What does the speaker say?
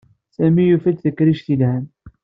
Sami yufa-d takrict yelhan.